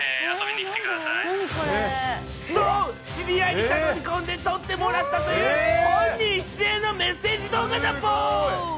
そう、知り合いに頼み込んで撮ってもらったという、本人出演のメッセージ動画だぼー。